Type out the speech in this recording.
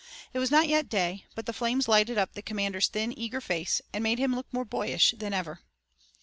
It was not yet day, but the flames lighted up the commander's thin, eager face, and made him look more boyish than ever.